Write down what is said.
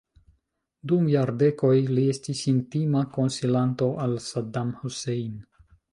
Dum jardekoj li estis intima konsilanto al Saddam Hussein.